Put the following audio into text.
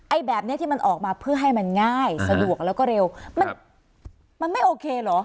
แบบนี้ที่มันออกมาเพื่อให้มันง่ายสะดวกแล้วก็เร็วมันมันไม่โอเคเหรอ